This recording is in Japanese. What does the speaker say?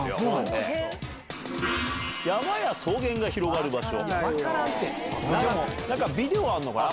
山や草原が広がる場所。